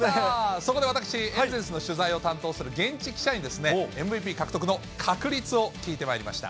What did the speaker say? そこで私、エンゼルスの取材を担当する現地記者に、ＭＶＰ獲得の確率を聞いてまいりました。